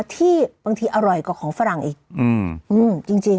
ที่บางทีอร่อยกว่าของฝรั่งอีกจริง